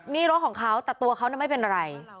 นี่รถของเขาแต่ตัวเขาไม่เป็นอะไร